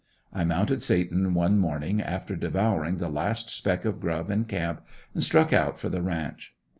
I mounted Satan one morning after devouring the last speck of grub in camp and struck out for the ranch.